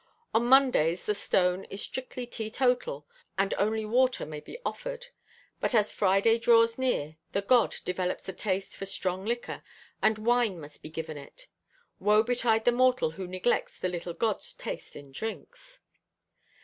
On Mondays the "stone" is strictly teetotal and only water may be offered, but as Friday draws near, the "God" develops a taste for strong liquor and wine must be given it. Woe betide the mortal who neglects the "little God's" taste in drinks.